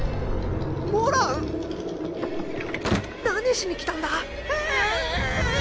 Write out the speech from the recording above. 何しに来たんだ？